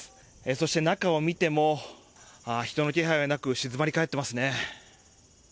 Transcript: そして、中を見ても人の気配はなく静まり返っていますね。